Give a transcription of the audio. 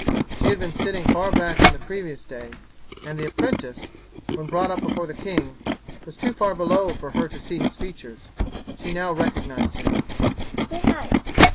She had been sitting far back on the previous day, and the apprentice, when brought up before the king, was too far below for her to see his features. She now recognized him.